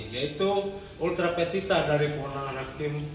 yaitu ultrapetita dari kewenangan hakim